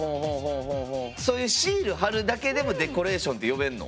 そういうシール貼るだけでもデコレーションって呼べんの？